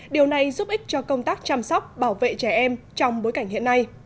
điều này giúp ích cho công tác chăm sóc bảo vệ trẻ em trong bối cảnh hiện nay